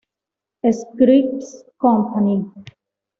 Scripps Company.